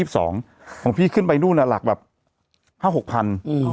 ของพี่ขึ้นไปนู่นหลักแบบ๕๖พัน